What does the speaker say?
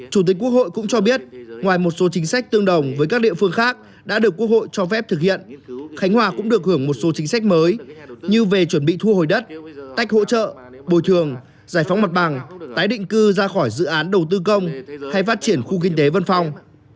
chủ tịch quốc hội cũng cho biết ngoài một số chính sách tương đồng với các địa phương khác đã được quốc hội cho phép thực hiện khánh hòa cũng được hưởng một số chính sách mới như về chuẩn bị thu hồi đất tách hỗ trợ bồi thường giải phóng mặt bằng tái định cư ra khỏi dự án đầu tư công hay phát triển khu kinh tế vân phong